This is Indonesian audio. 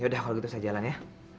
yaudah kalau gitu saya jalan ya